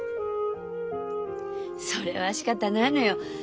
それはしかたないのよ。